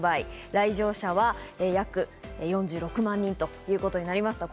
来場者は約４６万人ということになりました。